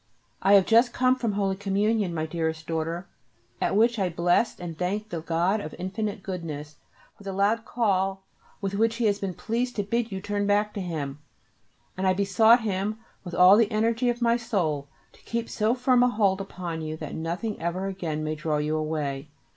I have just come from holy communion, my dearest daughter, at which I blessed and thanked the God of infinite goodness for the loud call with which He has been pleased to bid you turn back to Him, and I besought Him with all the energy of my soul to keep so firm a hold upon you that nothing ever again may draw you away.